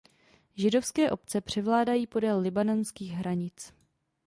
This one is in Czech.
Židovské obce převládají podél libanonských hranic.